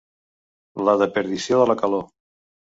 La deperdició de la calor.